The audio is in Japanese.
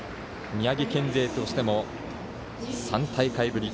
宮城県勢としても３大会ぶり